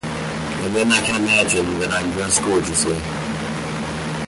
And then I can imagine that I’m dressed gorgeously.